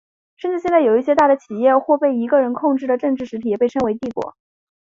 甚至现在有些大的企业或被一个人控制的政治实体也被称为帝国。